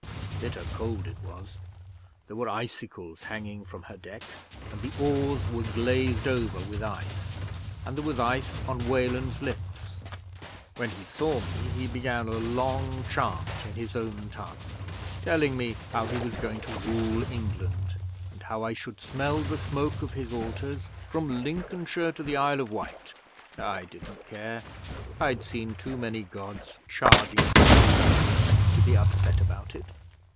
Bitter cold it was! There were icicles hanging from her deck and the oars were glazed over with ice, and there was ice on Weland's lips. When he saw me he began a long chant in his own tongue, telling me how he was going to rule England, and how I should smell the smoke of his altars from Lincolnshire to the Isle of Wight. I didn't care! I'd seen too many Gods charging into Old England to be upset about it.